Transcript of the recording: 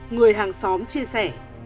người hàng xóm chia sẻ